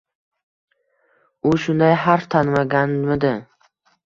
U shunday harf tanimaganmidi?